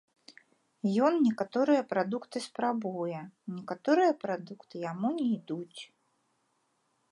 Ён некаторыя прадукты спрабуе, некаторыя прадукты яму не ідуць.